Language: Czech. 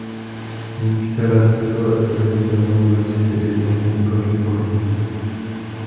Nyní chce Rada tuto revidovanou verzi jednou pro vždy pohřbít.